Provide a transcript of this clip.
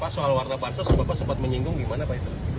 pak soal warna pantsos bapak sempat menyingkung gimana pak ya